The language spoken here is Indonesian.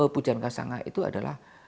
pujan kasanga itu adalah